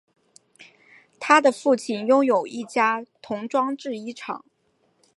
他的父亲拥有一家童装制衣厂。